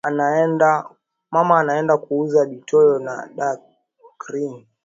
Mama anaenda kuuza bitoyo na da carine